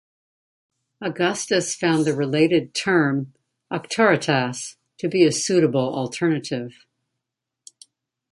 Augustus found the related term "auctoritas" to be a suitable alternative.